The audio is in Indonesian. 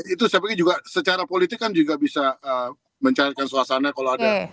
itu saya pikir juga secara politik kan juga bisa mencairkan suasana kalau ada